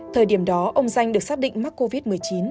thời điểm đó ông danh được xác định mắc covid một mươi chín